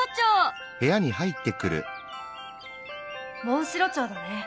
モンシロチョウだね。